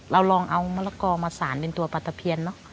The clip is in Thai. เราลองเอามะละกอมาสารเป็นตัวปลาตะเพียนเนอะ